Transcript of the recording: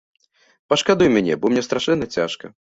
Пашкадуй мяне, бо мне страшэнна цяжка.